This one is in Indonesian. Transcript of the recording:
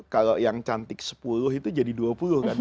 kalau yang cantik sepuluh itu jadi dua puluh kan